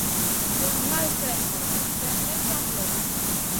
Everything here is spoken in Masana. Kuna ŋal slèh ŋolo, slèh may can loɗi.